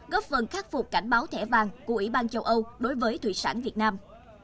góp phần khắc phục cảnh báo thẻ vàng của ủy ban châu âu đối với thủy sản việt nam